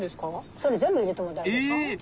それ全部入れても大丈夫。